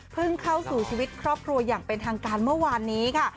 เข้าสู่ชีวิตครอบครัวอย่างเป็นทางการเมื่อวานนี้ค่ะ